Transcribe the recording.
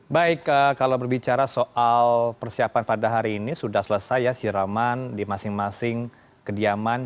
baik kalau berbicara soal persiapan pada hari ini sudah selesai ya siraman di masing masing kediaman